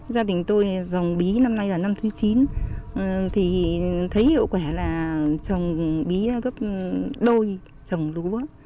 gia đình tôi dòng bí năm nay là năm thứ chín thì thấy hiệu quả là trồng bí gấp đôi trồng lúa